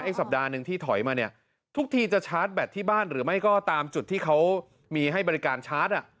สัปดาห์หนึ่งที่ถอยมาเนี่ยทุกทีจะชาร์จแบตที่บ้านหรือไม่ก็ตามจุดที่เขามีให้บริการชาร์จ